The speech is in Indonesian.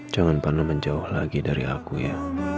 jangan pernah menjauh lagi dari aku ya